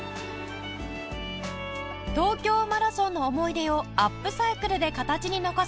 東京マラソンの思い出をアップサイクルで形に残す